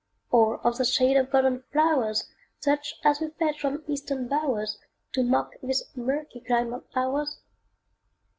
Or of the shade of golden flowers, Such as we fetch from Eastern bowers, To mock this murky clime of ours?